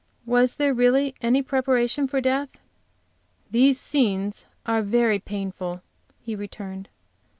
Was there really any preparation for death?" "These scenes are very painful," he returned.